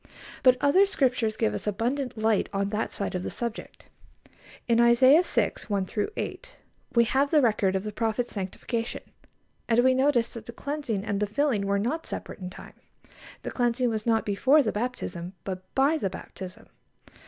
But other Scriptures give us abundant light on that side of the subject. In Isaiah vi. 1 8, we have the record of the prophet's sanctification, and we notice that the cleansing and the filling were not separate in time. The cleansing was not before the baptism, but by the baptism.